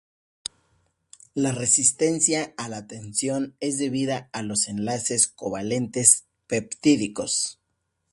La resistencia a la tensión es debida a los enlaces covalentes peptídicos.